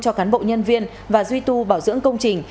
cho cán bộ nhân viên và duy tu bảo dưỡng công trình